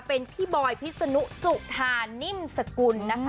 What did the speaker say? เป็นพี่บอยพิษนุสุธานิ่มสกุลนะคะ